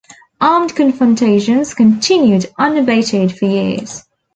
Armed confrontations continued unabated for years.